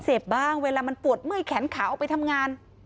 เสพบ้างเวลามันปวดเมื่อยแขนขาออกไปทำงาน